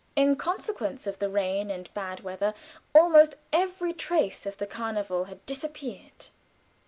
In consequence of the rain and bad weather almost every trace of the carnival had disappeared.